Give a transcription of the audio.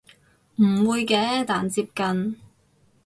唔會嘅但接近